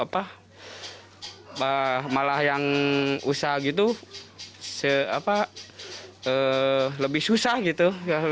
malah yang usaha gitu lebih susah gitu